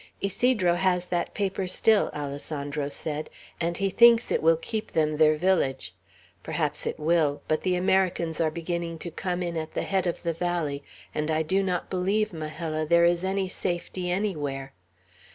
"Ysidro has that paper still," Alessandro said, "and he thinks it will keep them their village. Perhaps it will; but the Americans are beginning to come in at the head of the valley, and I do not believe, Majella, there is any safety anywhere.